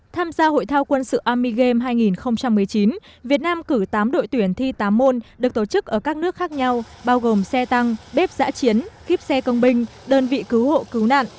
tham gia hội thao quân sự army game hai nghìn một mươi chín việt nam cử tám đội tuyển thi tám môn được tổ chức ở các nước khác nhau bao gồm xe tăng bếp giã chiến kíp xe công binh đơn vị cứu hộ cứu nạn